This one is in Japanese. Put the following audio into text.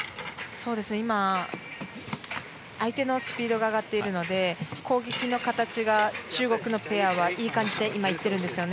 今、相手のスピードが上がっているので攻撃の形が中国のペアはいい感じで今、いってるんですよね。